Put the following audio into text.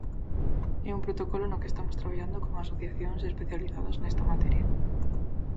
É un protocolo no que estamos traballando con asociacións especializadas nesta materia.